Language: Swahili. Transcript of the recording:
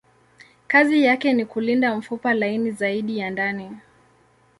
Kazi yake ni kulinda mfupa laini zaidi ya ndani.